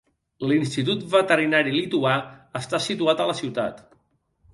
L'institut veterinari lituà està situat en la ciutat.